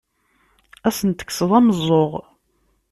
Ad asen-tekkseḍ ameẓẓuɣ!